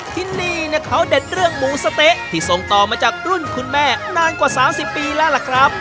ที่นี่เขาเด็ดเรื่องหมูสะเต๊ะที่ส่งต่อมาจากรุ่นคุณแม่นานกว่า๓๐ปีแล้วล่ะครับ